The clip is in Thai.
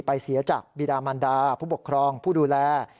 เสียจากบีดามันดาผู้ปกครองผู้ดูแล